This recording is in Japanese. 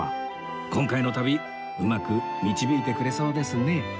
今回の旅うまく導いてくれそうですね